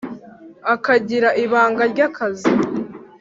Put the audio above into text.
akagira ibanga rya kazi,